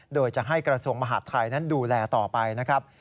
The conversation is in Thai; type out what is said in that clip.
โดยจะให้กระทรวงมหาดไทยนั้นดูแลต่อไปนะครับ